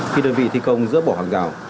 khi đơn vị thi công rỡ bỏ hàng rào